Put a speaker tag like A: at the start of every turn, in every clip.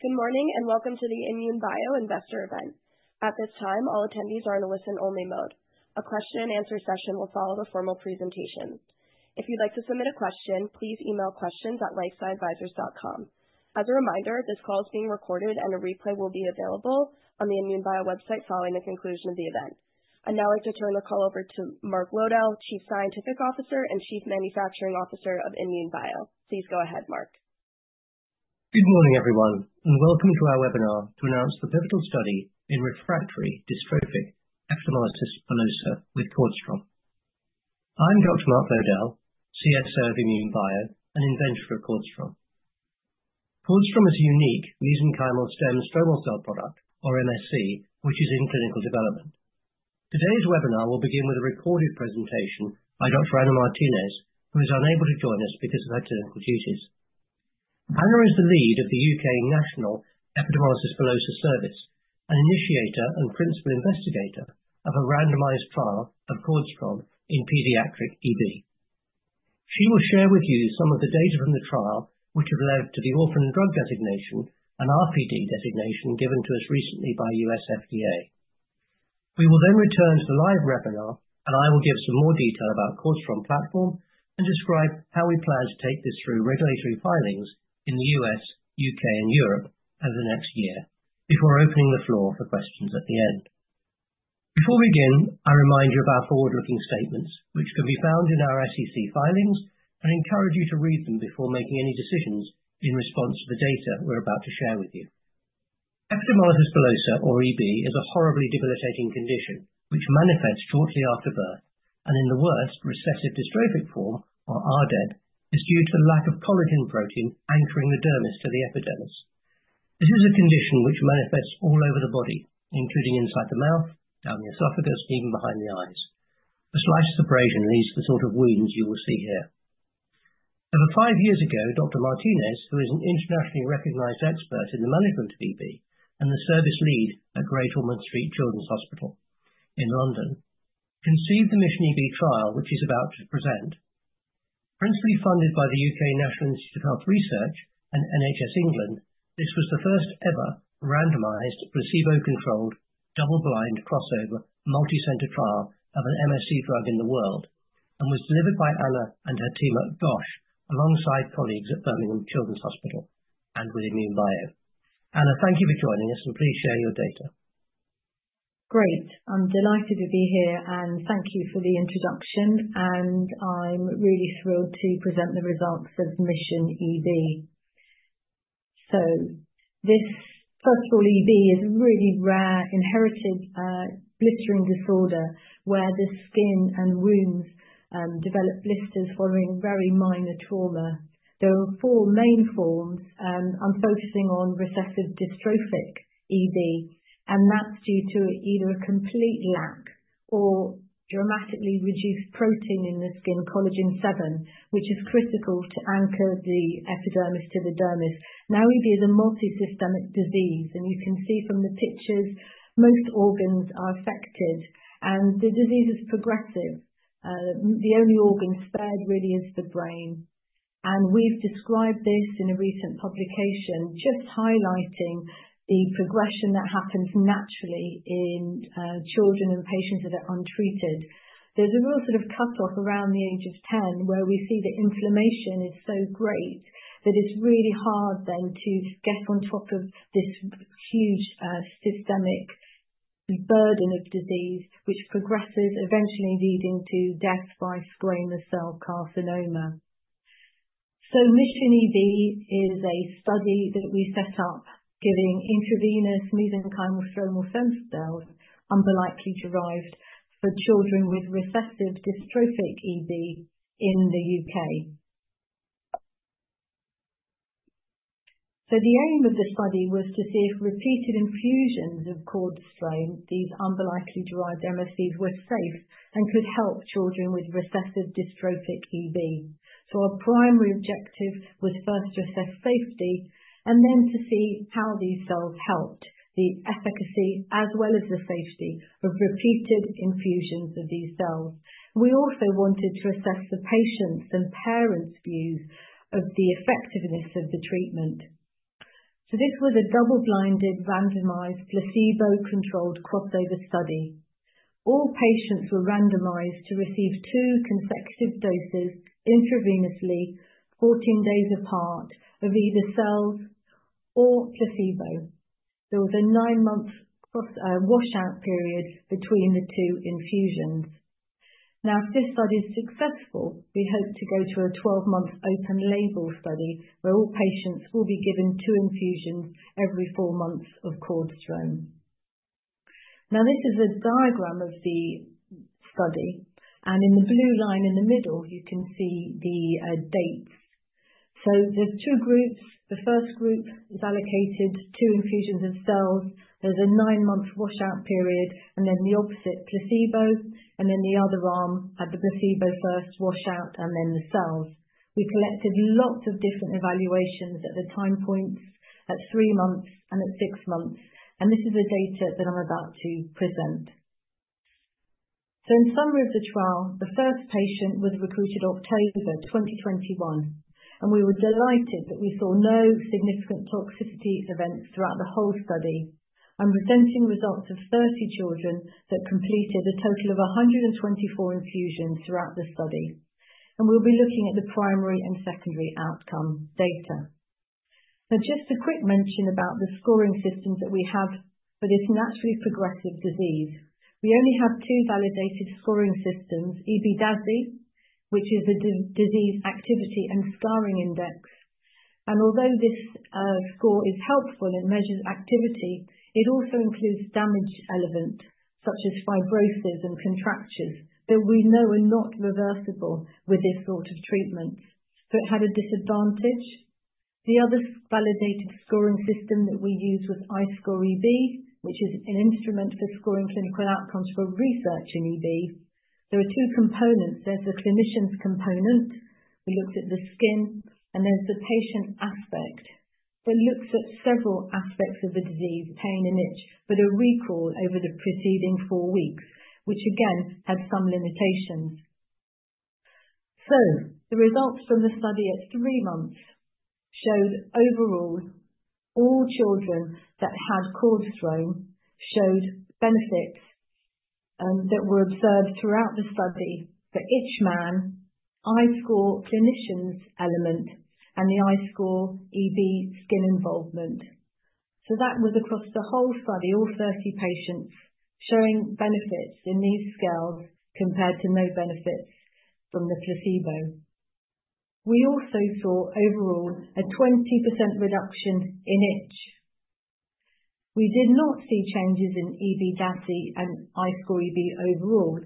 A: Good morning and welcome to the INmune Bio Investor Event. At this time, all attendees are in a listen-only mode. A question-and-answer session will follow the formal presentation. If you'd like to submit a question, please email questions@lifestyleadvisors.com. As a reminder, this call is being recorded and a replay will be available on the INmune Bio website following the conclusion of the event. I'd now like to turn the call over to Mark Lowdell, Chief Scientific Officer and Chief Manufacturing Officer of INmune Bio. Please go ahead, Mark.
B: Good morning, everyone, and welcome to our webinar to announce the pivotal study in refractory dystrophic epidermolysis bullosa with CORDStrom. I'm Dr. Mark Lowdell, CSO of INmune Bio and inventor of CORDStrom. CORDStrom is a unique mesenchymal stromal cell product, or MSC, which is in clinical development. Today's webinar will begin with a recorded presentation by Dr. Anna Martinez, who is unable to join us because of her clinical duties. Anna is the lead of the UK National Epidermolysis Bullosa Service and initiator and principal investigator of a randomized trial of CORDStrom in pediatric EB. She will share with you some of the data from the trial, which have led to the orphan drug designation and RPD designation given to us recently by U.S. FDA. We will then return to the live webinar, and I will give some more detail about the CORDStrom platform and describe how we plan to take this through regulatory filings in the U.S., U.K., and Europe over the next year before opening the floor for questions at the end. Before we begin, I remind you of our forward-looking statements, which can be found in our SEC filings, and encourage you to read them before making any decisions in response to the data we're about to share with you. Epidermolysis bullosa, or EB, is a horribly debilitating condition which manifests shortly after birth and, in the worst, recessive dystrophic form, or RDEB, is due to the lack of collagen protein anchoring the dermis to the epidermis. This is a condition which manifests all over the body, including inside the mouth, down the esophagus, even behind the eyes. A slice of abrasion leads to the sort of wounds you will see here. Over five years ago, Dr. Martinez, who is an internationally recognized expert in the management of EB and the service lead at Great Ormond Street Hospital in London, conceived the Mission EB trial, which she's about to present. Principally funded by the U.K. National Institute of Health Research and NHS England, this was the first ever randomized, placebo-controlled, double-blind crossover multi-center trial of an MSC drug in the world and was delivered by Anna and her team at GOSH alongside colleagues at Birmingham Children's Hospital and with INmune Bio. Anna, thank you for joining us, and please share your data.
C: Great. I'm delighted to be here, and thank you for the introduction. I'm really thrilled to present the results of Mission EB. First of all, EB is a really rare, inherited blistering disorder where the skin and wounds develop blisters following very minor trauma. There are four main forms. I'm focusing on recessive dystrophic EB, and that's due to either a complete lack or dramatically reduced protein in the skin, collagen VII, which is critical to anchor the epidermis to the dermis. EB is a multisystemic disease, and you can see from the pictures most organs are affected, and the disease is progressive. The only organ spared really is the brain. We've described this in a recent publication just highlighting the progression that happens naturally in children and patients that are untreated. There's a real sort of cutoff around the age of 10 where we see the inflammation is so great that it's really hard then to get on top of this huge systemic burden of disease, which progresses eventually leading to death by squamous cell carcinoma. Mission EB is a study that we set up giving intravenous mesenchymal stromal cells, umbilically derived, for children with recessive dystrophic EB in the U.K. The aim of the study was to see if repeated infusions of CORDStrom, these umbilically derived MSCs, were safe and could help children with recessive dystrophic EB. Our primary objective was first to assess safety and then to see how these cells helped the efficacy as well as the safety of repeated infusions of these cells. We also wanted to assess the patients' and parents' views of the effectiveness of the treatment. This was a double-blinded, randomized, placebo-controlled crossover study. All patients were randomized to receive two consecutive doses intravenously, 14 days apart, of either cells or placebo. There was a nine-month washout period between the two infusions. If this study is successful, we hope to go to a 12-month open-label study where all patients will be given two infusions every four months of CORDStrom. This is a diagram of the study, and in the blue line in the middle, you can see the dates. There are two groups. The first group is allocated two infusions of cells. There is a nine-month washout period, and then the opposite, placebo. The other arm had the placebo first, washout, and then the cells. We collected lots of different evaluations at the time points at three months and at six months. This is the data that I'm about to present. In summary of the trial, the first patient was recruited in October 2021, and we were delighted that we saw no significant toxicity events throughout the whole study. I'm presenting results of 30 children that completed a total of 124 infusions throughout the study, and we'll be looking at the primary and secondary outcome data. Now, just a quick mention about the scoring systems that we have for this naturally progressive disease. We only have two validated scoring systems: EB DASI, which is the disease activity and scarring index. Although this score is helpful, it measures activity. It also includes damage elements such as fibrosis and contractures that we know are not reversible with this sort of treatment. It had a disadvantage. The other validated scoring system that we use was iscorEB, which is an instrument for scoring clinical outcomes for research in EB. There are two components. There's the clinician's component. We looked at the skin, and there's the patient aspect that looks at several aspects of the disease: pain and itch, but a recall over the preceding four weeks, which again had some limitations. The results from the study at three months showed overall all children that had CORDStrom showed benefits that were observed throughout the study for Itch Man iscorEB clinician's element and the iscorEB skin involvement. That was across the whole study, all 30 patients showing benefits in these scales compared to no benefits from the placebo. We also saw overall a 20% reduction in itch. We did not see changes in EB DASI and iscorEB overall,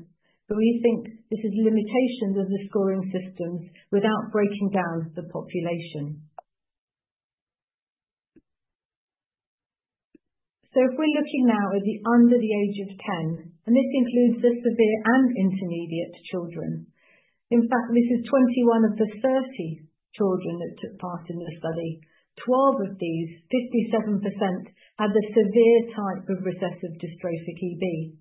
C: but we think this is limitations of the scoring systems without breaking down the population. If we're looking now at the under the age of 10, and this includes the severe and intermediate children. In fact, this is 21 of the 30 children that took part in the study. Twelve of these, 57%, had the severe type of recessive dystrophic EB.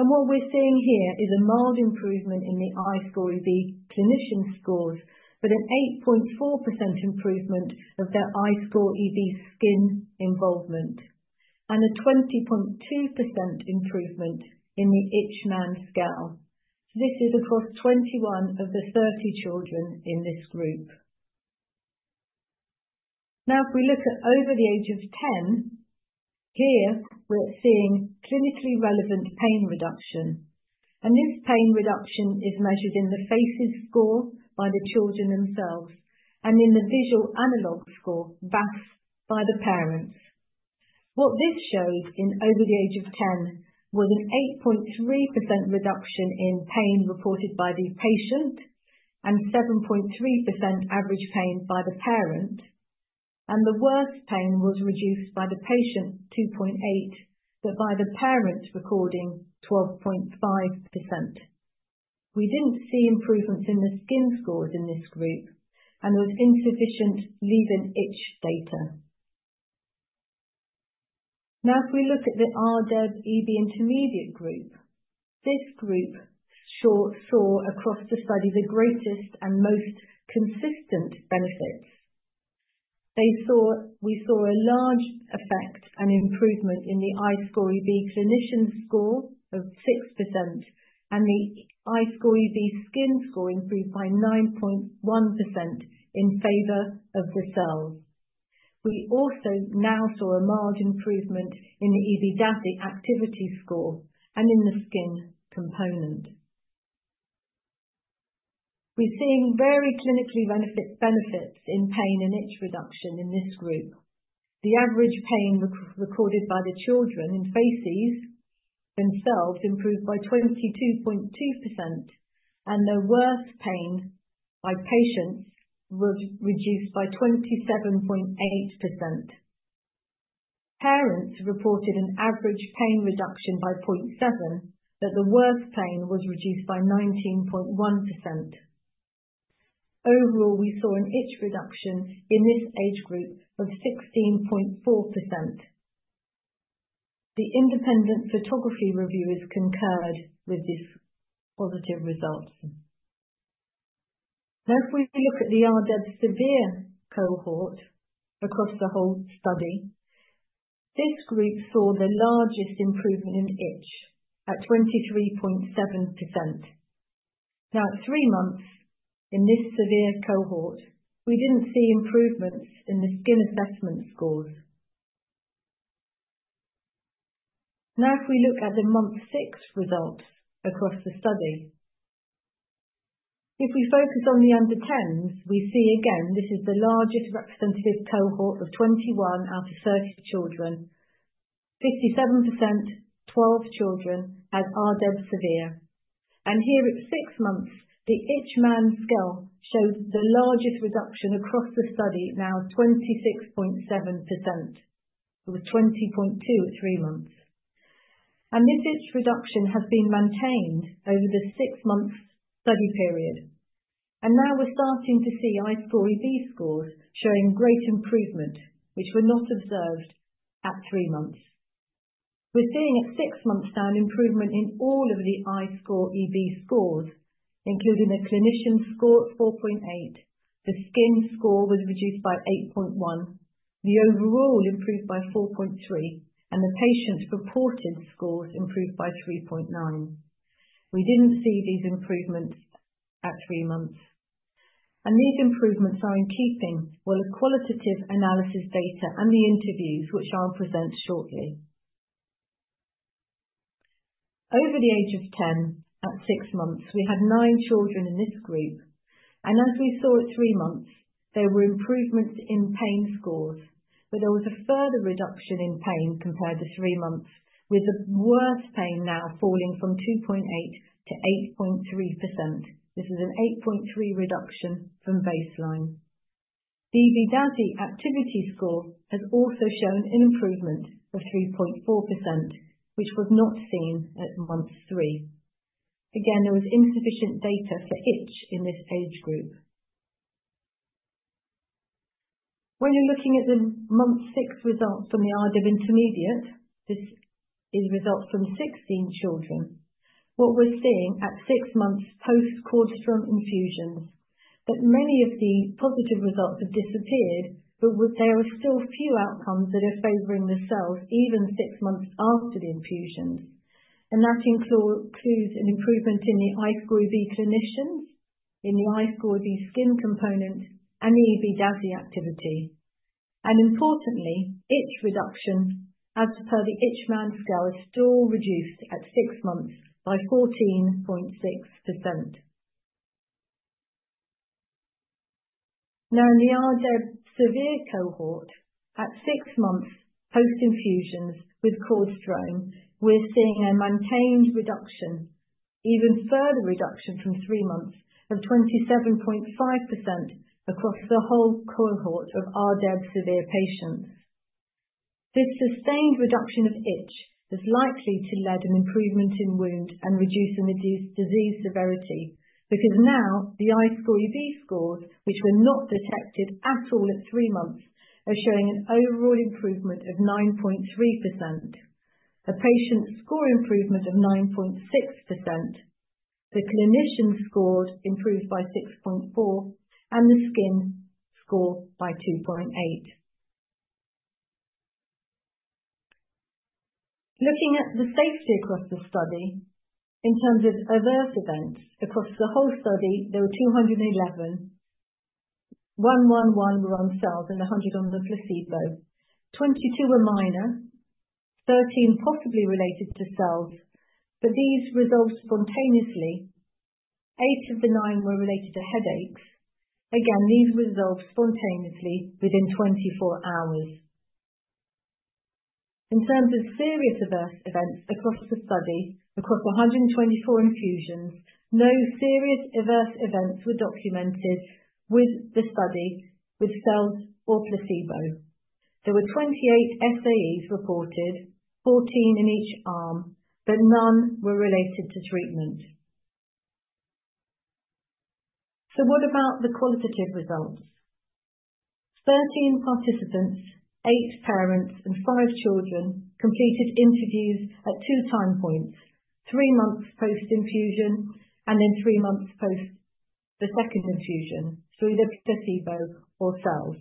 C: What we're seeing here is a mild improvement in the iscorEB clinician scores, but an 8.4% improvement of their iscorEB skin involvement and a 20.2% improvement in the Itch Man scale. This is across 21 of the 30 children in this group. If we look at over the age of 10, here we're seeing clinically relevant pain reduction. This pain reduction is measured in the FACES score by the children themselves and in the visual analog score VAS by the parents. What this showed in over the age of 10 was an 8.3% reduction in pain reported by the patient and 7.3% average pain by the parent. The worst pain was reduced by the patient, 2.8%, but by the parents recording 12.5%. We did not see improvements in the skin scores in this group, and there was insufficient leave-in itch data. Now, if we look at the RDEB EB intermediate group, this group saw across the study the greatest and most consistent benefits. We saw a large effect and improvement in the iscorEB clinician score of 6%, and the iscorEB skin score improved by 9.1% in favor of the cells. We also now saw a large improvement in the EB DASI activity score and in the skin component. We're seeing very clinically benefits in pain and itch reduction in this group. The average pain recorded by the children in FACES themselves improved by 22.2%, and the worst pain by patients was reduced by 27.8%. Parents reported an average pain reduction by 0.7%, but the worst pain was reduced by 19.1%. Overall, we saw an itch reduction in this age group of 16.4%. The independent photography reviewers concurred with these positive results. Now, if we look at the RDEB severe cohort across the whole study, this group saw the largest improvement in itch at 23.7%. Now, at three months in this severe cohort, we didn't see improvements in the skin assessment scores. Now, if we look at the month six results across the study, if we focus on the under 10s, we see again this is the largest representative cohort of 21 out of 30 children. 57%, 12 children had RDEB severe. Here at six months, the Itch Man scale showed the largest reduction across the study, now 26.7%. It was 20.2% at three months. This itch reduction has been maintained over the six-month study period. Now we're starting to see iscorEB scores showing great improvement, which were not observed at three months. We're seeing at six months now an improvement in all of the iscorEB scores, including the clinician score of 4.8. The skin score was reduced by 8.1%. The overall improved by 4.3%, and the patient's reported scores improved by 3.9%. We didn't see these improvements at three months. These improvements are in keeping with the qualitative analysis data and the interviews, which I'll present shortly. Over the age of 10 at six months, we had nine children in this group. As we saw at three months, there were improvements in pain scores, but there was a further reduction in pain compared to three months, with the worst pain now falling from 2.8% to 8.3%. This is an 8.3% reduction from baseline. The EB DASI activity score has also shown an improvement of 3.4%, which was not seen at month three. Again, there was insufficient data for itch in this age group. When you're looking at the month six results from the RDEB intermediate, this is results from 16 children. What we're seeing at six months post CORDStrom infusions is that many of the positive results have disappeared, but there are still few outcomes that are favoring the cells even six months after the infusions. That includes an improvement in the iscorEB clinicians, in the iscorEB skin component, and the EB DASI activity. Importantly, itch reduction, as per the Itch Man scale, is still reduced at six months by 14.6%. Now, in the RDEB severe cohort, at six months post infusions with CORDStrom, we're seeing a maintained reduction, even further reduction from three months of 27.5% across the whole cohort of RDEB severe patients. This sustained reduction of itch is likely to lead to an improvement in wound and reduce the disease severity because now the iscorEB scores, which were not detected at all at three months, are showing an overall improvement of 9.3%, a patient score improvement of 9.6%, the clinician score improved by 6.4%, and the skin score by 2.8%. Looking at the safety across the study in terms of adverse events across the whole study, there were 211, 111 were on cells and 100 on the placebo. Twenty-two were minor, 13 possibly related to cells, but these resolved spontaneously. Eight of the nine were related to headaches. Again, these resolved spontaneously within 24 hours. In terms of serious adverse events across the study, across 124 infusions, no serious adverse events were documented with the study with cells or placebo. There were 28 SAEs reported, 14 in each arm, but none were related to treatment. What about the qualitative results? Thirteen participants, eight parents, and five children completed interviews at two time points: three months post infusion and then three months post the second infusion through the placebo or cells.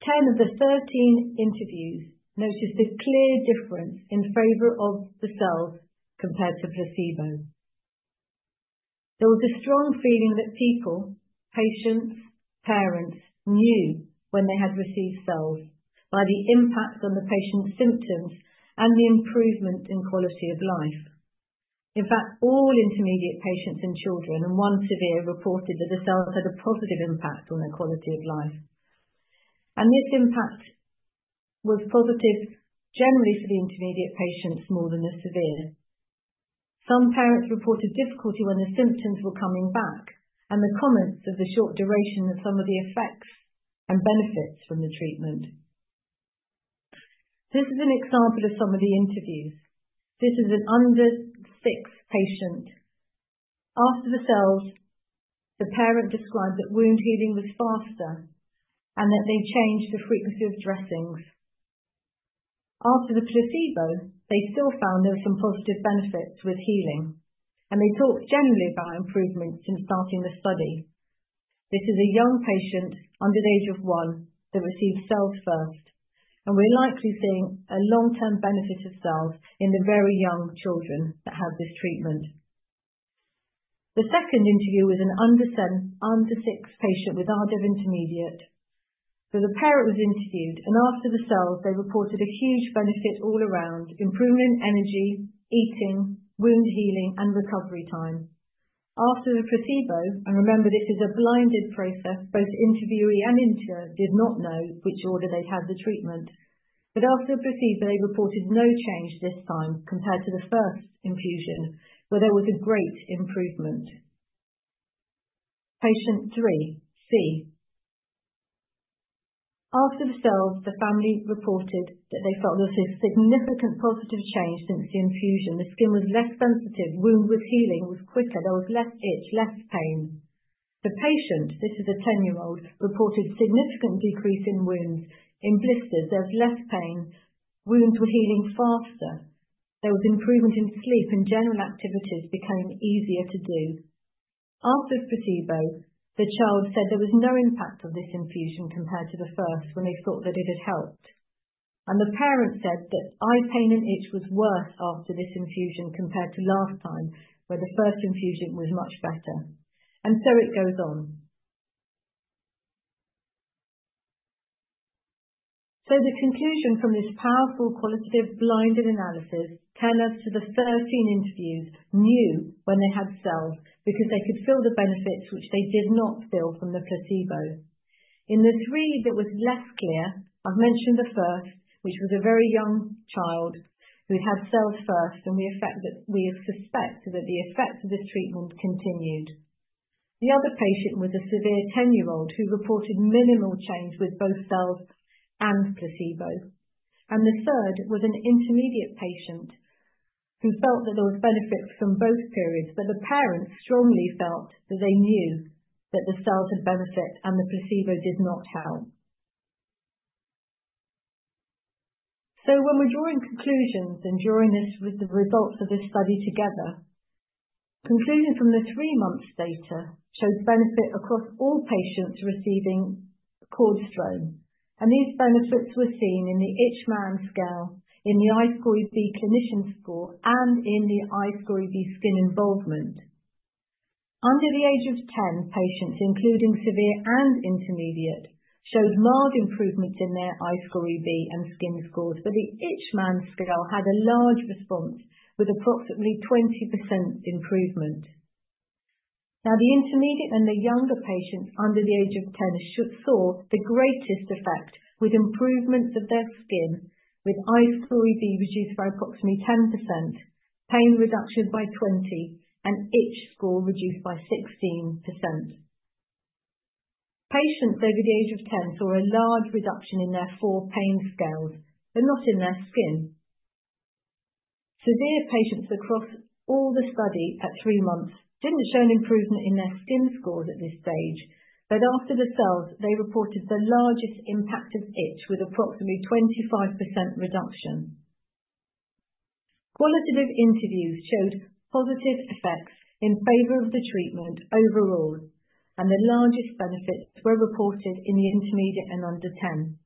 C: Ten of the 13 interviews noticed a clear difference in favor of the cells compared to placebo. There was a strong feeling that people, patients, parents knew when they had received cells by the impact on the patient's symptoms and the improvement in quality of life. In fact, all intermediate patients and children and one severe reported that the cells had a positive impact on their quality of life. This impact was positive generally for the intermediate patients more than the severe. Some parents reported difficulty when the symptoms were coming back and the comments of the short duration of some of the effects and benefits from the treatment. This is an example of some of the interviews. This is an under six patient. After the cells, the parent described that wound healing was faster and that they changed the frequency of dressings. After the placebo, they still found there were some positive benefits with healing, and they talked generally about improvements since starting the study. This is a young patient under the age of one that received cells first, and we're likely seeing a long-term benefit of cells in the very young children that had this treatment. The second interview was an under six patient with RDEB intermediate. The parent was interviewed, and after the cells, they reported a huge benefit all around: improvement in energy, eating, wound healing, and recovery time. After the placebo, and remember, this is a blinded process, both interviewee and interviewer did not know which order they'd had the treatment. After the placebo, they reported no change this time compared to the first infusion, where there was a great improvement. Patient three, C. After the cells, the family reported that they felt there was a significant positive change since the infusion. The skin was less sensitive, wound was healing, was quicker, there was less itch, less pain. The patient, this is a 10-year-old, reported significant decrease in wounds, in blisters. There's less pain, wounds were healing faster, there was improvement in sleep, and general activities became easier to do. After the placebo, the child said there was no impact of this infusion compared to the first when they thought that it had helped. The parent said that eye pain and itch was worse after this infusion compared to last time, where the first infusion was much better. It goes on. The conclusion from this powerful qualitative blinded analysis, ten of the 13 interviews knew when they had cells because they could feel the benefits which they did not feel from the placebo. In the three that were less clear, I have mentioned the first, which was a very young child who had cells first, and we suspect that the effects of this treatment continued. The other patient was a severe 10-year-old who reported minimal change with both cells and placebo. The third was an intermediate patient who felt that there were benefits from both periods, but the parents strongly felt that they knew that the cells had benefit and the placebo did not help. When we are drawing conclusions and drawing this with the results of this study together, conclusions from the three-month data showed benefit across all patients receiving CORDStrom. These benefits were seen in the Itch Man scale, in the iscorEB clinician score, and in the iscorEB skin involvement. Under the age of 10, patients, including severe and intermediate, showed marked improvements in their iscorEB and skin scores, but the Itch Man scale had a large response with approximately 20% improvement. Now, the intermediate and the younger patients under the age of 10 saw the greatest effect with improvements of their skin, with iscorEB reduced by approximately 10%, pain reduction by 20%, and itch score reduced by 16%. Patients over the age of 10 saw a large reduction in their four pain scales, but not in their skin. Severe patients across all the study at three months did not show an improvement in their skin scores at this stage, but after the cells, they reported the largest impact of itch with approximately 25% reduction. Qualitative interviews showed positive effects in favor of the treatment overall, and the largest benefits were reported in the intermediate and under 10.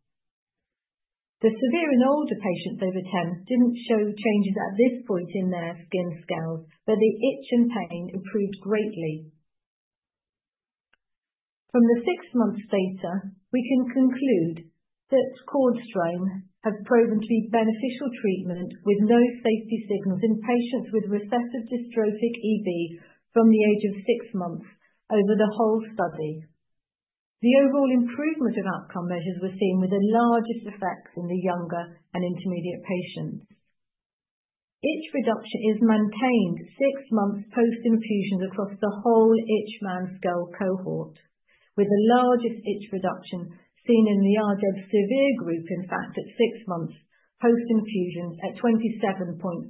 C: The severe and older patients over 10 did not show changes at this point in their skin scales, but the itch and pain improved greatly. From the six-month data, we can conclude that CORDStrom has proven to be a beneficial treatment with no safety signals in patients with recessive dystrophic EB from the age of six months over the whole study. The overall improvement of outcome measures was seen with the largest effects in the younger and intermediate patients. Itch reduction is maintained six months post infusions across the whole Itch Man scale cohort, with the largest itch reduction seen in the RDEB severe group, in fact, at six months post infusions at 27.5%.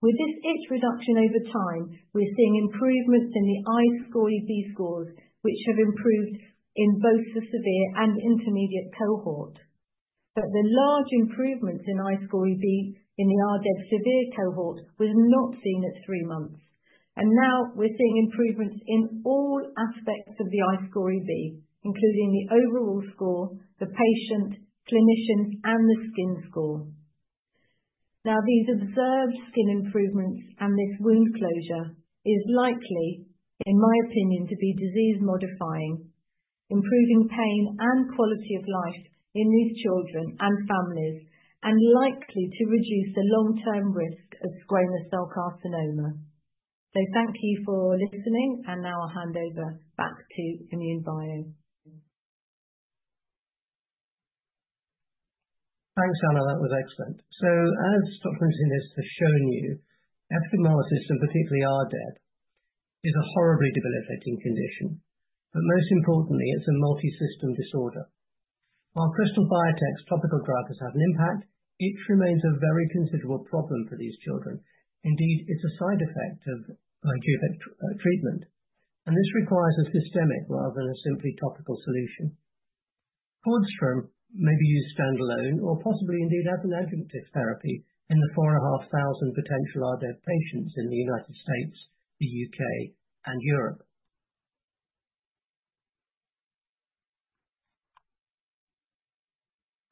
C: With this itch reduction over time, we're seeing improvements in the iscorEB scores, which have improved in both the severe and intermediate cohort. The large improvements in iscorEB in the RDEB severe cohort were not seen at three months. We are seeing improvements in all aspects of the iscorEB, including the overall score, the patient, clinicians, and the skin score. These observed skin improvements and this wound closure is likely, in my opinion, to be disease-modifying, improving pain and quality of life in these children and families, and likely to reduce the long-term risk of squamous cell carcinoma. Thank you for listening, and now I'll hand over back to INmune Bio.
B: Thanks, Anna. That was excellent. As Dr. Martinez has shown you, epidermolysis, and particularly RDEB, is a horribly debilitating condition. Most importantly, it's a multisystem disorder. While Krystal Biotech's topical drug has had an impact, it remains a very considerable problem for these children. Indeed, it's a side effect of GVHD treatment, and this requires a systemic rather than a simply topical solution. CORDStrom may be used standalone or possibly indeed as an adjunctive therapy in the 4,500 potential RDEB patients in the United States, the U.K., and Europe.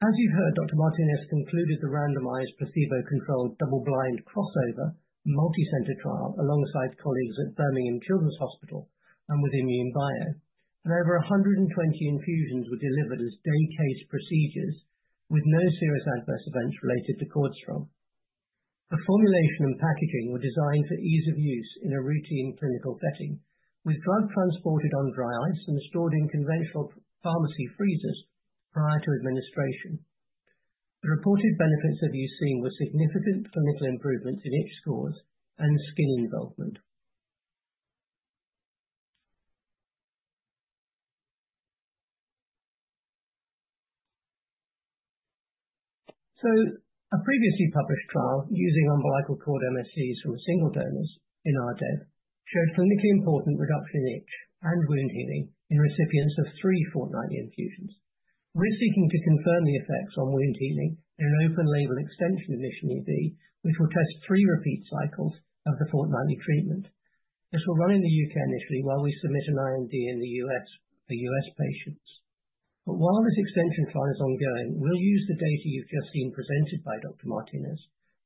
B: As you've heard, Dr. Martinez concluded the randomized placebo-controlled double-blind crossover multicenter trial alongside colleagues at Birmingham Children's Hospital and with INmune Bio. Over 120 infusions were delivered as day-case procedures with no serious adverse events related to CORDStrom. The formulation and packaging were designed for ease of use in a routine clinical setting, with drug transported on dry ice and stored in conventional pharmacy freezers prior to administration. The reported benefits that you've seen were significant clinical improvements in itch scores and skin involvement. A previously published trial using umbilical cord MSCs from single donors in RDEB showed clinically important reduction in itch and wound healing in recipients of three fortnightly infusions. We're seeking to confirm the effects on wound healing in an open-label extension in Mission EB, which will test three repeat cycles of the fortnightly treatment. This will run in the U.K. initially while we submit an IND in the U.S. for U.S. patients. While this extension trial is ongoing, we'll use the data you've just seen presented by Dr. Martinez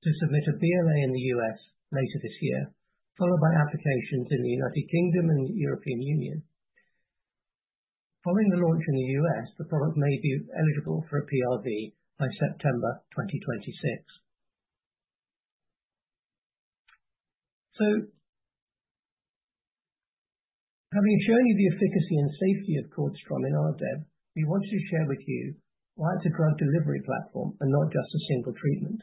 B: to submit a BLA in the U.S. later this year, followed by applications in the United Kingdom and the European Union. Following the launch in the U.S., the product may be eligible for a PRV by September 2026. Having shown you the efficacy and safety of CORDStrom in RDEB, we wanted to share with you why it's a drug delivery platform and not just a single treatment.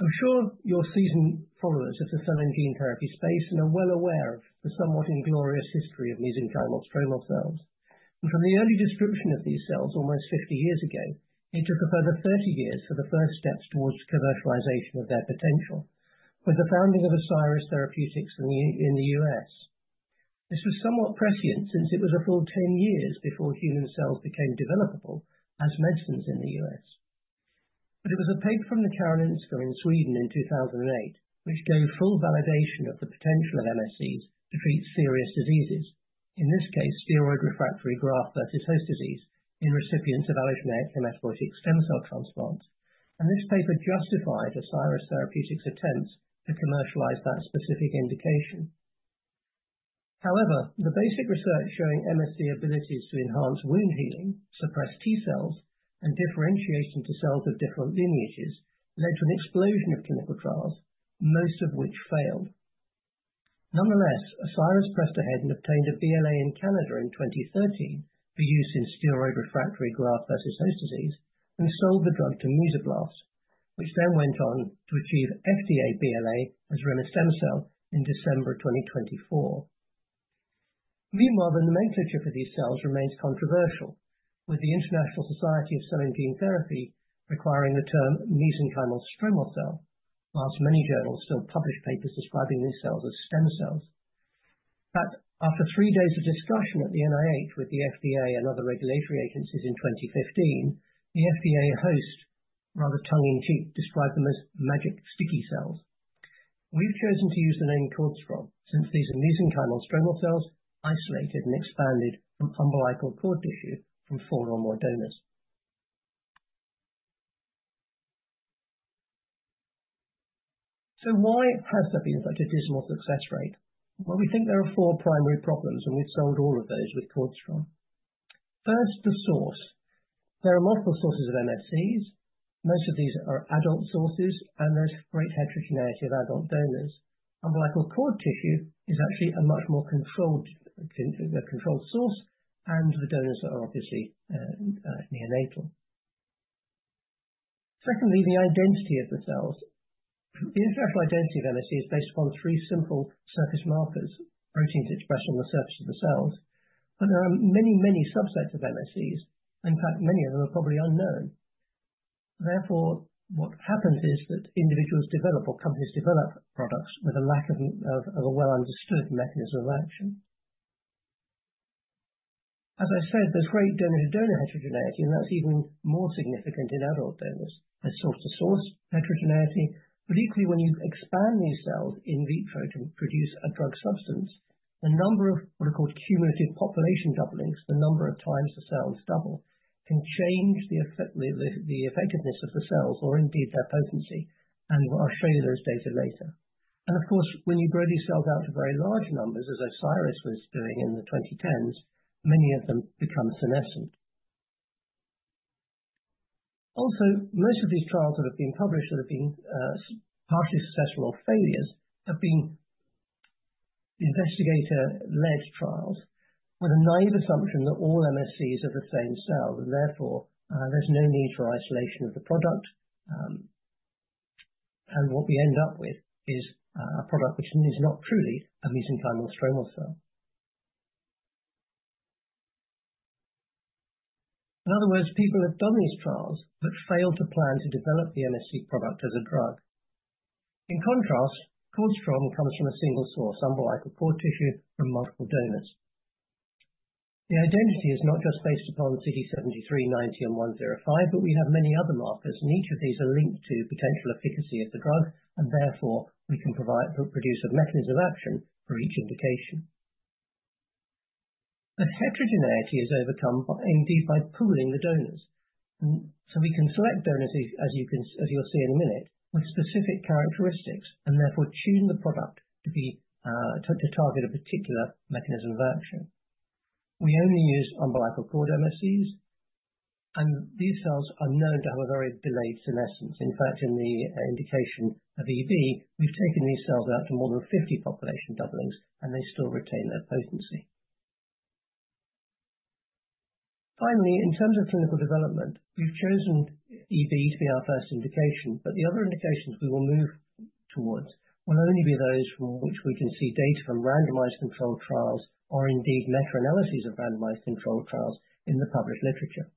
B: I'm sure your seasoned followers of the cell and gene therapy space are well aware of the somewhat inglorious history of mesenchymal stromal cells. From the early description of these cells almost 50 years ago, it took a further 30 years for the first steps towards the commercialization of their potential, with the founding of Osiris Therapeutics in the U.S. This was somewhat prescient since it was a full 10 years before human cells became developable as medicines in the U.S. It was a paper from the Karolinska in Sweden in 2008 which gave full validation of the potential of MSCs to treat serious diseases, in this case, steroid refractory graft-versus-host disease in recipients of allogeneic hematopoietic stem cell transplants. This paper justified Osiris Therapeutics' attempts to commercialize that specific indication. However, the basic research showing MSC abilities to enhance wound healing, suppress T-cells, and differentiate into cells of different lineages led to an explosion of clinical trials, most of which failed. Nonetheless, Osiris pressed ahead and obtained a BLA in Canada in 2013 for use in steroid refractory graft-versus-host disease and sold the drug to Mesoblast, which then went on to achieve FDA BLA as remestemcel-L in December 2024. Meanwhile, the nomenclature for these cells remains controversial, with the International Society of Cell and Gene Therapy requiring the term mesenchymal stromal cell, whilst many journals still publish papers describing these cells as stem cells. In fact, after three days of discussion at the NIH with the FDA and other regulatory agencies in 2015, the FDA host, rather tongue-in-cheek, described them as magic sticky cells. We've chosen to use the name CORDStrom since these are mesenchymal stromal cells isolated and expanded from umbilical cord tissue from four or more donors. Why has there been such a dismal success rate? We think there are four primary problems, and we've solved all of those with CORDStrom. First, the source. There are multiple sources of MSCs. Most of these are adult sources, and there's great heterogeneity of adult donors. Umbilical cord tissue is actually a much more controlled source, and the donors are obviously neonatal. Secondly, the identity of the cells. The international identity of MSC is based upon three simple surface markers, proteins expressed on the surface of the cells. There are many, many subsets of MSCs. In fact, many of them are probably unknown. Therefore, what happens is that individuals develop or companies develop products with a lack of a well-understood mechanism of action. As I said, there's great donor-to-donor heterogeneity, and that's even more significant in adult donors as source-to-source heterogeneity. Equally, when you expand these cells in vitro to produce a drug substance, the number of what are called cumulative population doublings, the number of times the cells double, can change the effectiveness of the cells or indeed their potency. I'll show you those data later. Of course, when you grow these cells out to very large numbers, as Osiris was doing in the 2010s, many of them become senescent. Also, most of these trials that have been published that have been partially successful or failures have been investigator-led trials with a naive assumption that all MSCs are the same cell. Therefore, there's no need for isolation of the product. What we end up with is a product which is not truly a mesenchymal stromal cell. In other words, people have done these trials but failed to plan to develop the MSC product as a drug. In contrast, CORDStrom comes from a single source, umbilical cord tissue from multiple donors. The identity is not just based upon CD73, CD90, and CD105, but we have many other markers, and each of these is linked to potential efficacy of the drug. Therefore, we can produce a mechanism of action for each indication. Heterogeneity is overcome indeed by pooling the donors. We can select donors, as you'll see in a minute, with specific characteristics and therefore tune the product to target a particular mechanism of action. We only use umbilical cord MSCs, and these cells are known to have a very delayed senescence. In fact, in the indication of EB, we've taken these cells out to more than 50 population doublings, and they still retain their potency. Finally, in terms of clinical development, we've chosen EB to be our first indication, but the other indications we will move towards will only be those from which we can see data from randomized controlled trials or indeed meta-analyses of randomized controlled trials in the published literature.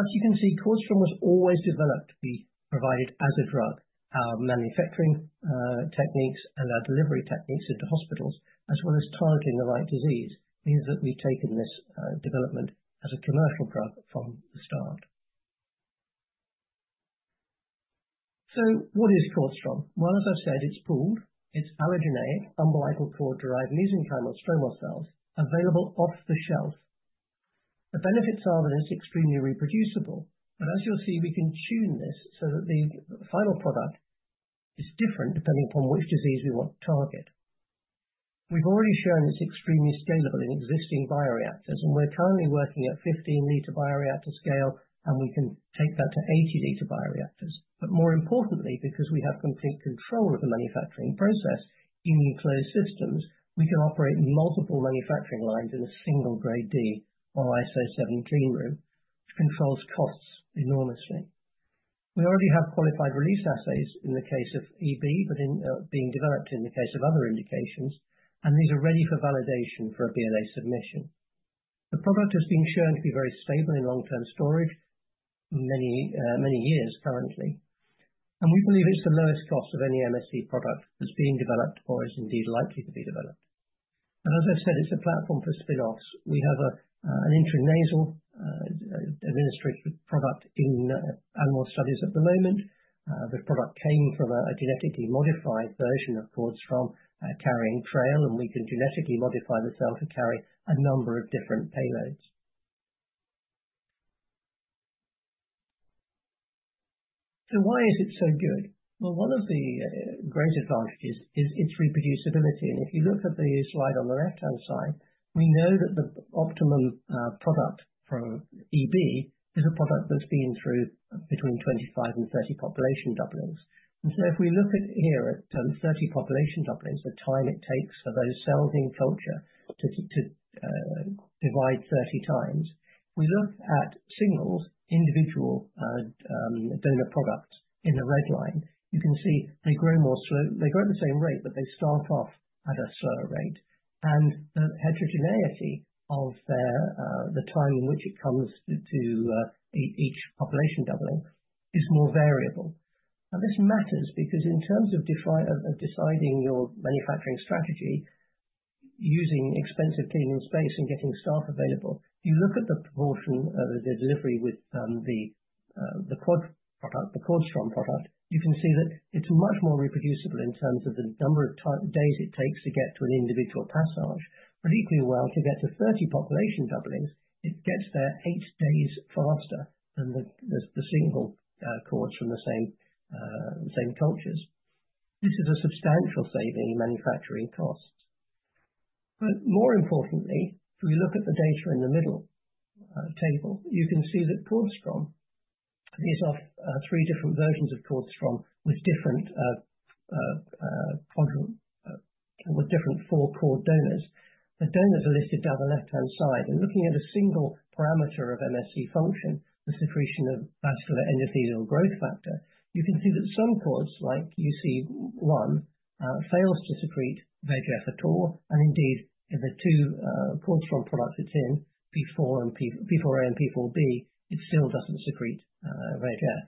B: As you can see, CORDStrom was always developed to be provided as a drug. Our manufacturing techniques and our delivery techniques into hospitals, as well as targeting the right disease, means that we've taken this development as a commercial drug from the start. What is CORDStrom? As I've said, it's pooled. It's allogeneic umbilical cord-derived mesenchymal stromal cells available off the shelf. The benefits are that it's extremely reproducible. As you'll see, we can tune this so that the final product is different depending upon which disease we want to target. We've already shown it's extremely scalable in existing bioreactors, and we're currently working at 15-liter bioreactor scale, and we can take that to 80-liter bioreactors. More importantly, because we have complete control of the manufacturing process in enclosed systems, we can operate multiple manufacturing lines in a single grade D or ISO 17 room, which controls costs enormously. We already have qualified release assays in the case of EB, but being developed in the case of other indications, and these are ready for validation for a BLA submission. The product has been shown to be very stable in long-term storage for many, many years currently. We believe it's the lowest cost of any MSC product that's being developed or is indeed likely to be developed. As I've said, it's a platform for spin-offs. We have an intranasal administrative product in animal studies at the moment. The product came from a genetically modified version of CORDStrom carrying TRAIL, and we can genetically modify the cell to carry a number of different payloads. Why is it so good? One of the great advantages is its reproducibility. If you look at the slide on the left-hand side, we know that the optimum product for EB is a product that's been through between 25 and 30 population doublings. If we look here at 30 population doublings, the time it takes for those cells in culture to divide 30 times, if we look at single individual donor products in the red line, you can see they grow more slowly. They grow at the same rate, but they start off at a slower rate. The heterogeneity of the time in which it comes to each population doubling is more variable. This matters because in terms of deciding your manufacturing strategy, using expensive cleaning space, and getting staff available, you look at the proportion of the delivery with the CORDStrom product, you can see that it's much more reproducible in terms of the number of days it takes to get to an individual passage. Equally, to get to 30 population doublings, it gets there eight days faster than the single cords from the same cultures. This is a substantial saving in manufacturing costs. More importantly, if we look at the data in the middle table, you can see that CORDStrom, these are three different versions of CORDStrom with different four cord donors. The donors are listed down the left-hand side. Looking at a single parameter of MSC function, the secretion of vascular endothelial growth factor, you can see that some cords, like UC1, fail to secrete VEGF at all. Indeed, in the two cord strain products it is in, P4A and P4B, it still does not secrete VEGF.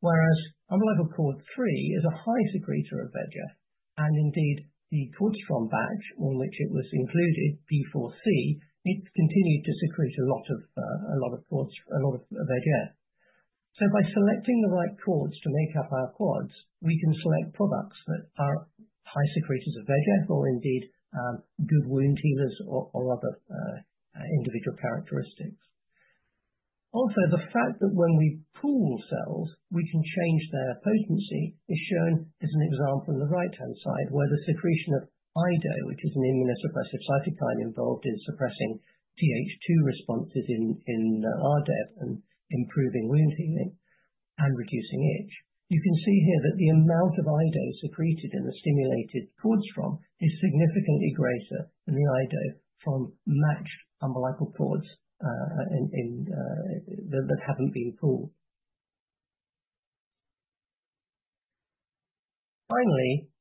B: Whereas umbilical cord 3 is a high secretor of VEGF. Indeed, the cord strain batch in which it was included, P4C, it continued to secrete a lot of VEGF. By selecting the right cords to make up our quads, we can select products that are high secretors of VEGF or indeed good wound healers or other individual characteristics. Also, the fact that when we pool cells, we can change their potency is shown as an example on the right-hand side where the secretion of IDO, which is an immunosuppressive cytokine involved in suppressing TH2 responses in RDEB and improving wound healing and reducing itch. You can see here that the amount of IDO secreted in the stimulated cord strain is significantly greater than the IDO from matched umbilical cords that have not been pooled. Finally,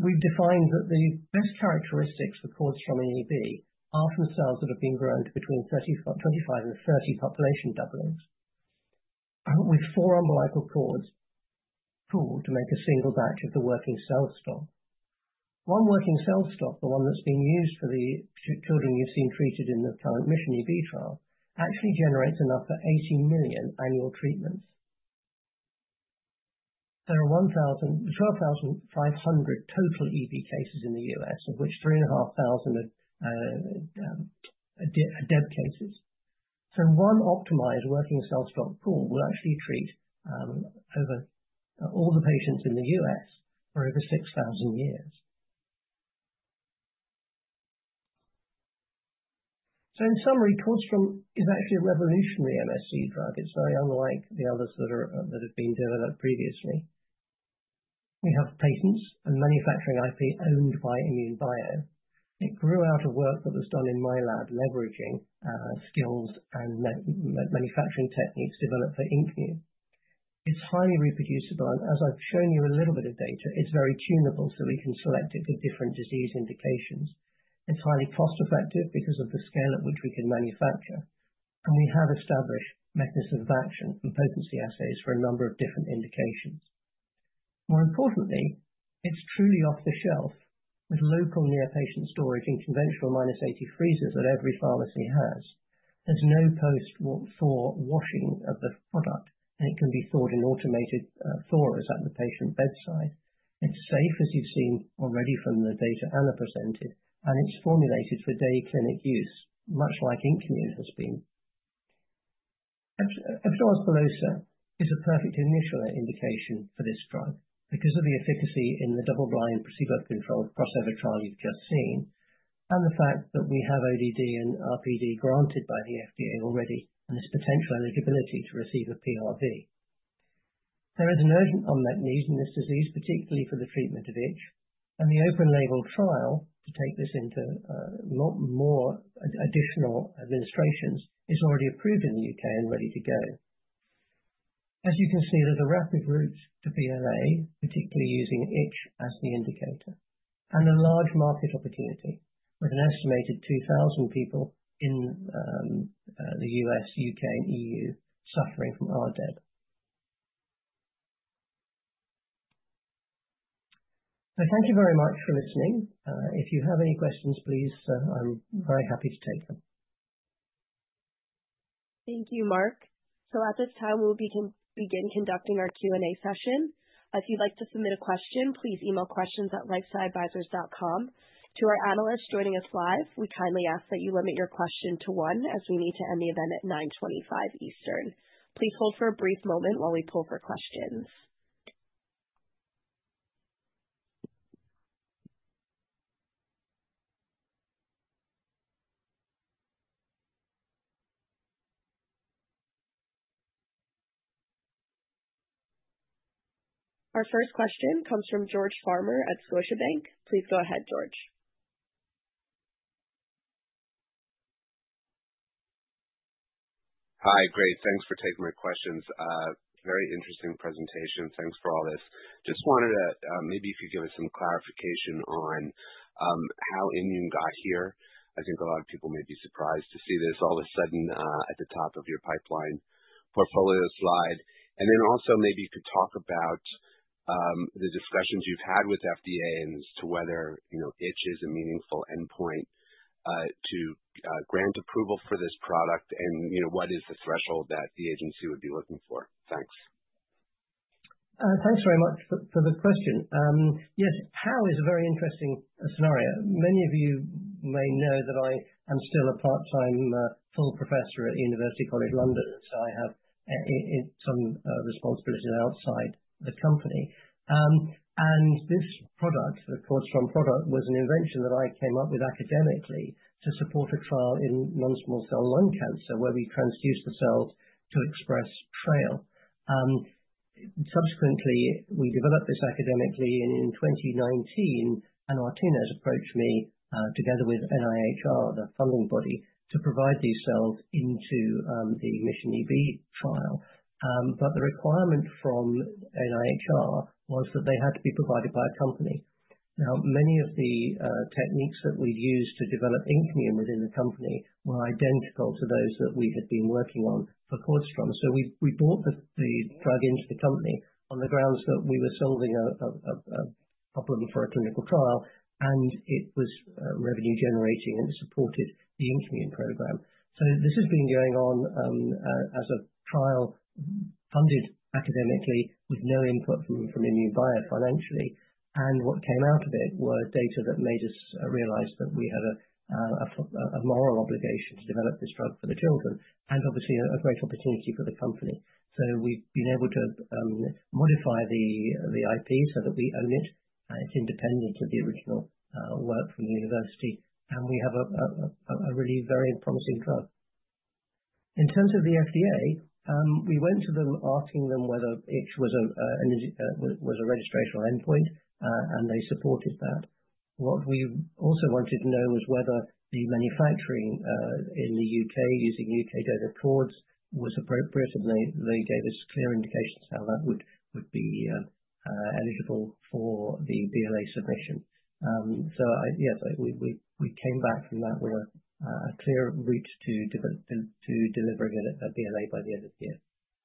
B: we have defined that the best characteristics for cord strain in EB are from cells that have been grown between 25 and 30 population doublings, with four umbilical cords pooled to make a single batch of the working cell stock. One working cell stock, the one that has been used for the children we have seen treated in the current Mission EB trial, actually generates enough for 80 million annual treatments. There are 12,500 total EB cases in the U.S., of which 3,500 are RDEB cases. One optimized working cell stock pool will actually treat all the patients in the U.S. for over 6,000 years. In summary, CORDStrom is actually a revolutionary MSC drug. It's very unlike the others that have been developed previously. We have patents and manufacturing IP owned by INmune Bio. It grew out of work that was done in my lab leveraging skills and manufacturing techniques developed for INKmune. It's highly reproducible. As I've shown you a little bit of data, it's very tunable, so we can select it for different disease indications. It's highly cost-effective because of the scale at which we can manufacture. We have established mechanisms of action and potency assays for a number of different indications. More importantly, it's truly off the shelf with local near-patient storage in conventional minus 80 freezers that every pharmacy has. There's no post-thaw washing of the product, and it can be thawed in automated thawers at the patient bedside. It's safe, as you've seen already from the data Anna presented, and it's formulated for day clinic use, much like INKmune has been. Epidermolysis bullosa is a perfect initial indication for this drug because of the efficacy in the double-blind placebo-controlled cross-over trial you've just seen, and the fact that we have ODD and RPD granted by the FDA already, and this potential eligibility to receive a PRV. There is an urgent unmet need in this disease, particularly for the treatment of itch. The open-label trial to take this into more additional administrations is already approved in the U.K. and ready to go. As you can see, there's a rapid route to BLA, particularly using itch as the indicator, and a large market opportunity with an estimated 2,000 people in the U.S., U.K., and EU suffering from RDEB. Thank you very much for listening. If you have any questions, please, I'm very happy to take them.
A: Thank you, Mark. At this time, we'll begin conducting our Q&A session. If you'd like to submit a question, please email questions@lifestyleadvisors.com. To our analysts joining us live, we kindly ask that you limit your question to one as we need to end the event at 9:25 A.M. Eastern. Please hold for a brief moment while we pull for questions. Our first question comes from George Farmer at Scotiabank. Please go ahead, George.
D: Hi, great. Thanks for taking my questions. Very interesting presentation. Thanks for all this. Just wanted to maybe if you could give us some clarification on how INmune Bio got here. I think a lot of people may be surprised to see this all of a sudden at the top of your pipeline portfolio slide. Also, maybe you could talk about the discussions you've had with FDA as to whether itch is a meaningful endpoint to grant approval for this product and what is the threshold that the agency would be looking for. Thanks.
B: Thanks very much for the question. Yes, how is a very interesting scenario. Many of you may know that I am still a part-time full professor at University College London. I have some responsibilities outside the company. This product, the CORDStrom product, was an invention that I came up with academically to support a trial in non-small cell lung cancer where we transduced the cells to express TRAIL. Subsequently, we developed this academically in 2019, and Martinez approached me together with NIHR, the funding body, to provide these cells into the Mission EB trial. The requirement from NIHR was that they had to be provided by a company. Many of the techniques that we've used to develop INKmune within the company were identical to those that we had been working on for CORDStrom. We brought the drug into the company on the grounds that we were solving a problem for a clinical trial, and it was revenue-generating, and it supported the INKmune program. This has been going on as a trial funded academically with no input from INmune Bio financially. What came out of it were data that made us realize that we had a moral obligation to develop this drug for the children and obviously a great opportunity for the company. We have been able to modify the IP so that we own it. It is independent of the original work from the university, and we have a really very promising drug. In terms of the FDA, we went to them asking them whether itch was a registration endpoint, and they supported that. What we also wanted to know was whether the manufacturing in the U.K. using U.K. donor cords was appropriate, and they gave us clear indications how that would be eligible for the BLA submission. Yes, we came back from that with a clear route to delivering a BLA by the end of the year.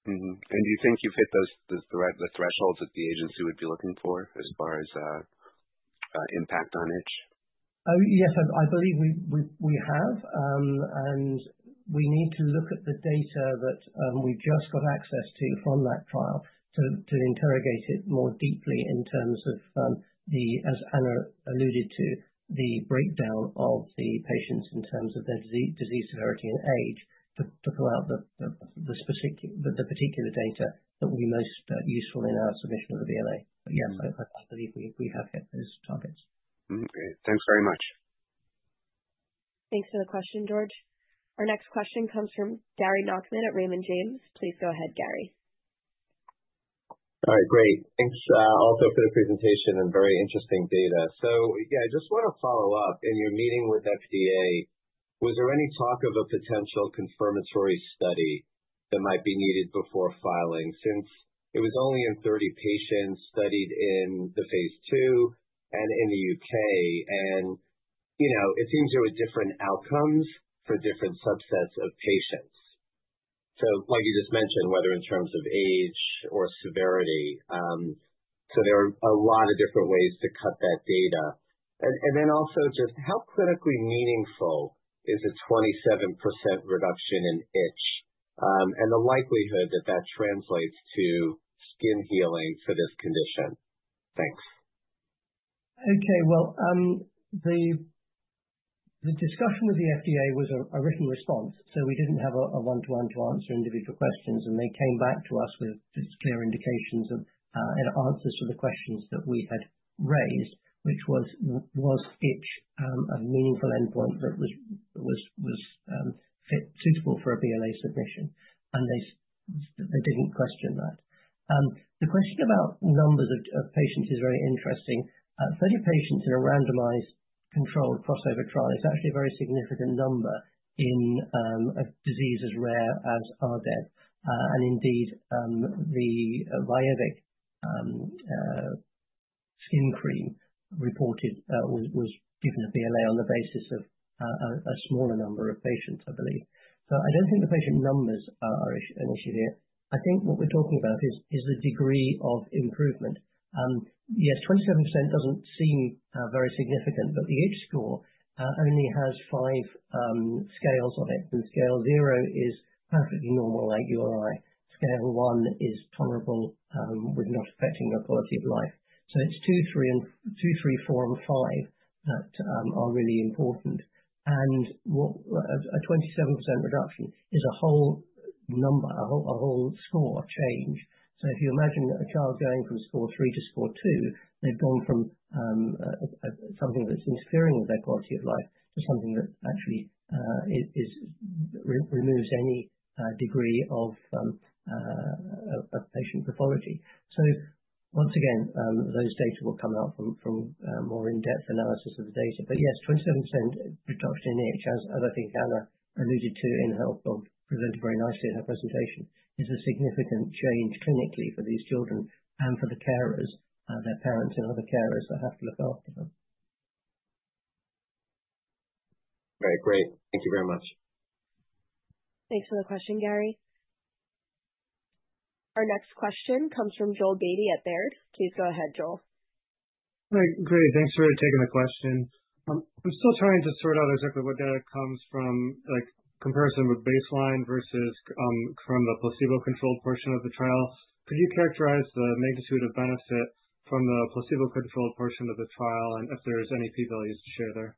D: Do you think you have hit the thresholds that the agency would be looking for as far as impact on itch?
B: Yes, I believe we have. We need to look at the data that we have just got access to from that trial to interrogate it more deeply in terms of, as Anna alluded to, the breakdown of the patients in terms of their disease severity and age to pull out the particular data that will be most useful in our submission of the BLA. Yes, I believe we have hit those targets.
D: Great. Thanks very much.
A: Thanks for the question, George. Our next question comes from Gary Nachman at Raymond James. Please go ahead, Gary.
E: All right, great. Thanks also for the presentation and very interesting data. I just want to follow up. In your meeting with FDA, was there any talk of a potential confirmatory study that might be needed before filing since it was only in 30 patients studied in the phase two and in the U.K.? It seems there were different outcomes for different subsets of patients, like you just mentioned, whether in terms of age or severity. There are a lot of different ways to cut that data. Also, just how clinically meaningful is a 27% reduction in itch and the likelihood that that translates to skin healing for this condition? Thanks.
B: The discussion with the FDA was a written response. We did not have a one-to-one to answer individual questions. They came back to us with clear indications and answers to the questions that we had raised, which was itch a meaningful endpoint that was suitable for a BLA submission. They didn't question that. The question about numbers of patients is very interesting. Thirty patients in a randomized controlled crossover trial is actually a very significant number in a disease as rare as RDEB. Indeed, the VYJUVEK skin cream reported was given a BLA on the basis of a smaller number of patients, I believe. I don't think the patient numbers are an issue here. I think what we're talking about is the degree of improvement. Yes, 27% doesn't seem very significant, but the itch score only has five scales on it. Scale zero is perfectly normal at URI. Scale one is tolerable with not affecting your quality of life. It's two, three, four, and five that are really important. A 27% reduction is a whole number, a whole score change. If you imagine a child going from score three to score two, they've gone from something that's interfering with their quality of life to something that actually removes any degree of patient pathology. Once again, those data will come out from more in-depth analysis of the data. Yes, 27% reduction in itch, as I think Anna alluded to in her book, presented very nicely in her presentation, is a significant change clinically for these children and for the carers, their parents and other carers that have to look after them.
E: All right, great. Thank you very much.
A: Thanks for the question, Gary. Our next question comes from Joel Beatty at Baird. Please go ahead, Joel.
F: Great. Thanks for taking the question. I'm still trying to sort out exactly what data comes from, like comparison with baseline versus from the placebo-controlled portion of the trial. Could you characterize the magnitude of benefit from the placebo-controlled portion of the trial and if there's any P-values to share there?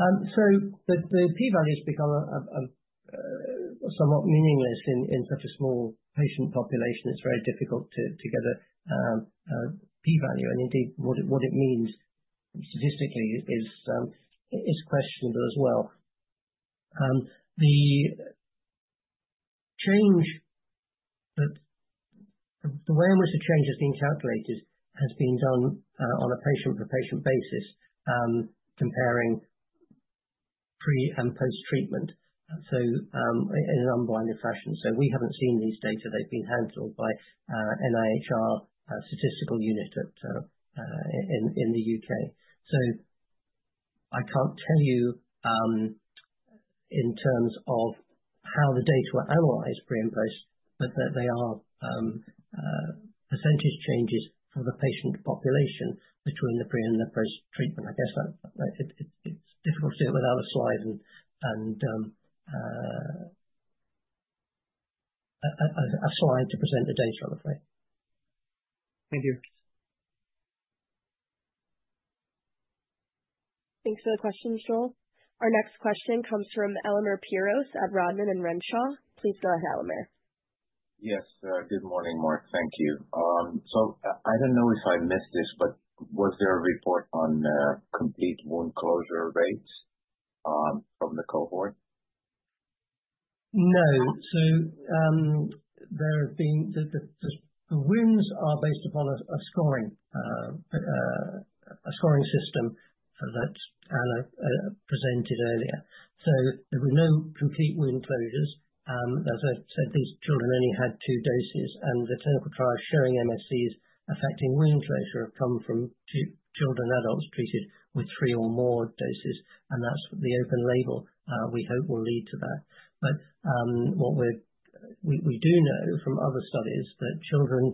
B: The P-values become somewhat meaningless in such a small patient population. It's very difficult to get a P-value. What it means statistically is questionable as well. The way in which the change has been calculated has been done on a patient-for-patient basis, comparing pre and post-treatment in an unblinded fashion. We haven't seen these data. They've been handled by NIHR statistical unit in the U.K. I can't tell you in terms of how the data were analyzed pre and post, but they are percentage changes for the patient population between the pre and the post-treatment. I guess it's difficult to do it without a slide and a slide to present the data, I would say.
F: Thank you.
A: Thanks for the question, Joel. Our next question comes from Elemer Piros at Rodman & Renshaw. Please go ahead, Elemer.
G: Yes. Good morning, Mark. Thank you. I don't know if I missed this, but was there a report on complete wound closure rates from the cohort?
B: No. There have been the wins are based upon a scoring system that Anna presented earlier. There were no complete wound closures. As I said, these children only had two doses. The clinical trials showing MSCs affecting wound closure have come from children and adults treated with three or more doses. That is the open label we hope will lead to that. What we do know from other studies is that children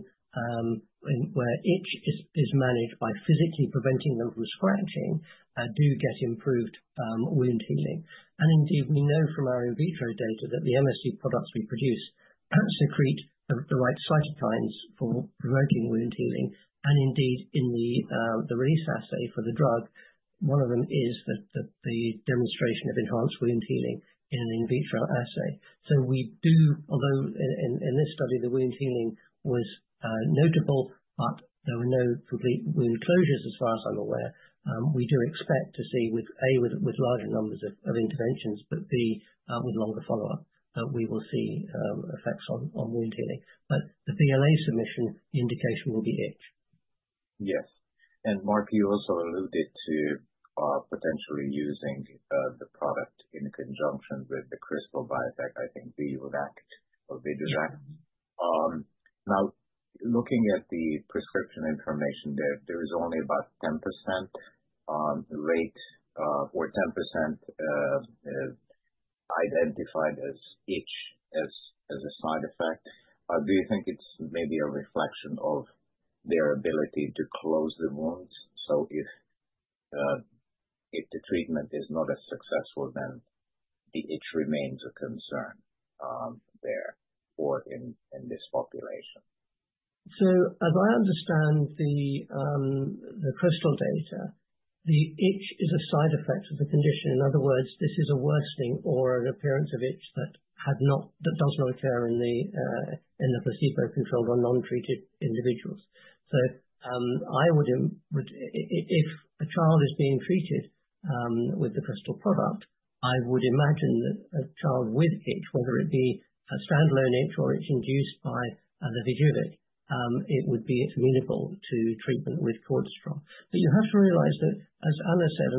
B: where itch is managed by physically preventing them from scratching do get improved wound healing. Indeed, we know from our in vitro data that the MSC products we produce secrete the right cytokines for promoting wound healing. Indeed, in the release assay for the drug, one of them is the demonstration of enhanced wound healing in an in vitro assay. We do, although in this study, the wound healing was notable, but there were no complete wound closures as far as I'm aware. We do expect to see, A, with larger numbers of interventions, but B, with longer follow-up, that we will see effects on wound healing. The BLA submission indication will be itch.
G: Yes. Mark, you also alluded to potentially using the product in conjunction with the Krystal Biotech, I think VYJUVEK. Now, looking at the prescription information there, there is only about 10% rate or 10% identified as itch as a side effect. Do you think it's maybe a reflection of their ability to close the wounds? If the treatment is not as successful, then the itch remains a concern there or in this population.
B: As I understand the CRISPR data, the itch is a side effect of the condition. In other words, this is a worsening or an appearance of itch that does not occur in the placebo-controlled or non-treated individuals. If a child is being treated with the CRISPR product, I would imagine that a child with itch, whether it be a standalone itch or itch induced by the VYJUVEK, it would be amenable to treatment with CORDStrom. You have to realize that, as Anna said,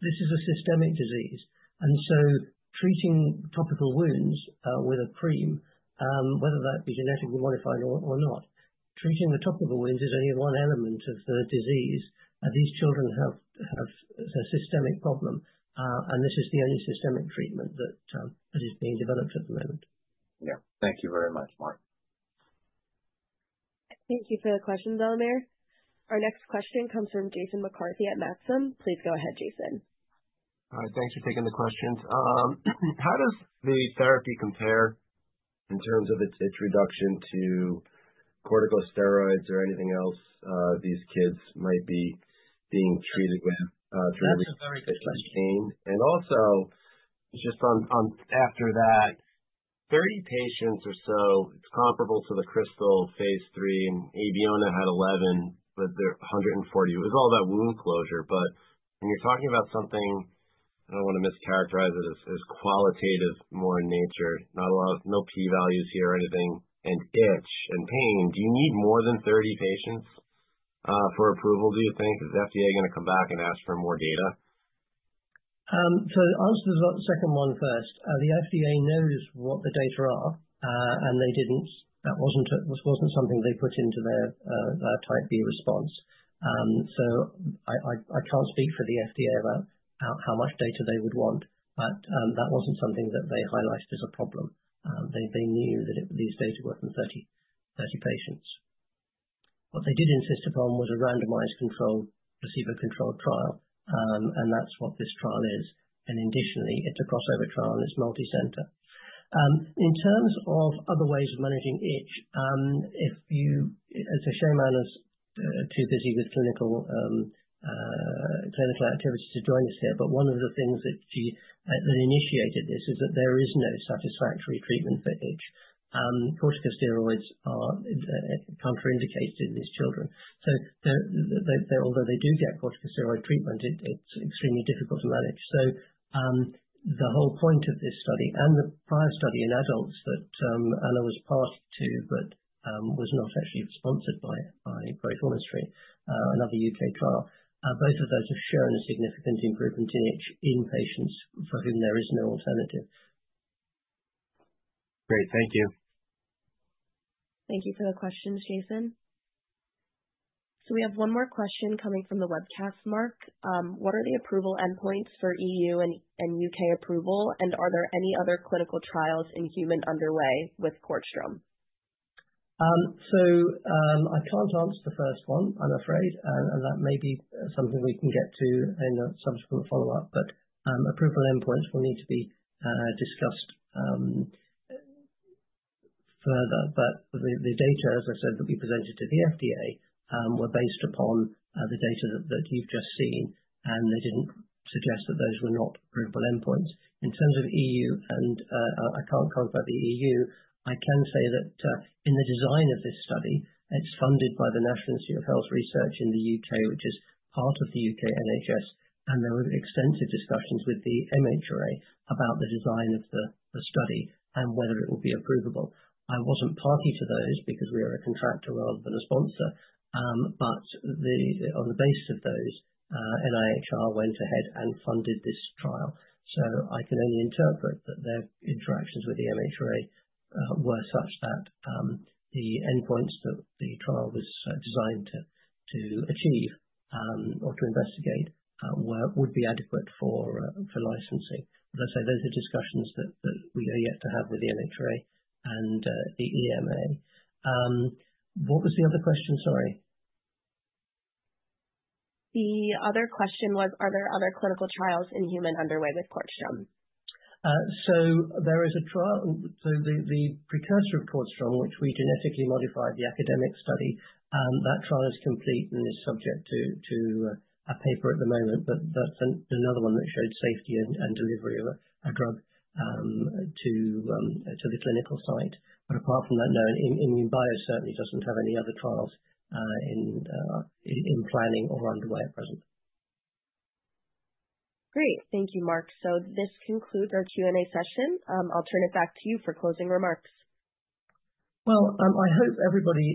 B: this is a systemic disease. Treating topical wounds with a cream, whether that be genetically modified or not, treating the topical wounds is only one element of the disease. These children have a systemic problem. This is the only systemic treatment that is being developed at the moment.
G: Yeah. Thank you very much, Mark.
A: Thank you for the questions, Elemer. Our next question comes from Jason McCarthy at Maxim. Please go ahead, Jason.
H: All right. Thanks for taking the questions. How does the therapy compare in terms of its reduction to corticosteroids or anything else these kids might be being treated with to relieve this pain? Also, just on after that, 30 patients or so, it's comparable to the CRISPR phase III. AVION had 11, but 140. It was all about wound closure. When you're talking about something, I don't want to mischaracterize it as qualitative more in nature, no P-values here or anything, and itch and pain, do you need more than 30 patients for approval, do you think? Is the FDA going to come back and ask for more data?
B: Answer the second one first. The FDA knows what the data are, and they didn't. That wasn't something they put into their type B response. I can't speak for the FDA about how much data they would want, but that wasn't something that they highlighted as a problem. They knew that these data were from 30 patients. What they did insist upon was a randomized controlled placebo-controlled trial. That's what this trial is. Additionally, it's a crossover trial and it's multi-center. In terms of other ways of managing itch, if you, as I say, Dr. Shayman is too busy with clinical activity to join us here, but one of the things that initiated this is that there is no satisfactory treatment for itch. Corticosteroids are contraindicated in these children. Although they do get corticosteroid treatment, it's extremely difficult to manage. The whole point of this study and the prior study in adults that Anna was part to, but was not actually sponsored by GRACE, another U.K. trial, both of those have shown a significant improvement in itch in patients for whom there is no alternative.
H: Great. Thank you.
A: Thank you for the questions, Jason. We have one more question coming from the webcast, Mark. What are the approval endpoints for EU and U.K. approval? Are there any other clinical trials in human underway with CORDStrom?
B: I can't answer the first one, I'm afraid. That may be something we can get to in a subsequent follow-up. Approval endpoints will need to be discussed further. The data, as I said, that we presented to the FDA were based upon the data that you've just seen. They didn't suggest that those were not approval endpoints. In terms of EU, and I can't talk about the EU, I can say that in the design of this study, it's funded by the National Institute of Health Research in the U.K., which is part of the U.K. NHS. There were extensive discussions with the MHRA about the design of the study and whether it would be approvable. I wasn't party to those because we are a contractor rather than a sponsor. On the basis of those, NIHR went ahead and funded this trial. I can only interpret that their interactions with the MHRA were such that the endpoints that the trial was designed to achieve or to investigate would be adequate for licensing. As I say, those are discussions that we are yet to have with the MHRA and the EMA. What was the other question? Sorry.
A: The other question was, are there other clinical trials in human underway with CORDStrom?
B: There is a trial. The precursor of CORDStrom, which we genetically modified, the academic study, that trial is complete and is subject to a paper at the moment. That's another one that showed safety and delivery of a drug to the clinical site. Apart from that, no. INmune Bio certainly doesn't have any other trials in planning or underway at present.
A: Great. Thank you, Mark. This concludes our Q&A session. I'll turn it back to you for closing remarks.
B: I hope everybody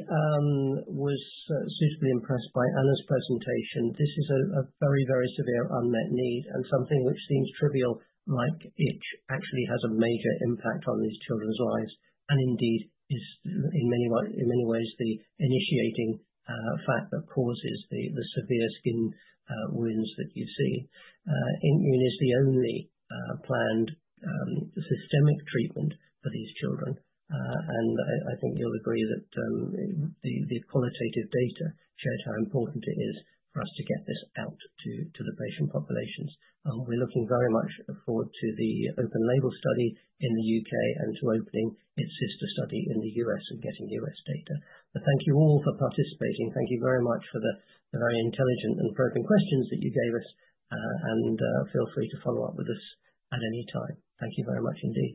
B: was suitably impressed by Anna's presentation. This is a very, very severe unmet need and something which seems trivial like itch actually has a major impact on these children's lives. Indeed, in many ways, the initiating fact that causes the severe skin wounds that you see. INmune is the only planned systemic treatment for these children. I think you will agree that the qualitative data showed how important it is for us to get this out to the patient populations. We are looking very much forward to the open label study in the U.K. and to opening its sister study in the U.S. and getting U.S. data. Thank you all for participating. Thank you very much for the very intelligent and probing questions that you gave us. Feel free to follow up with us at any time. Thank you very much indeed.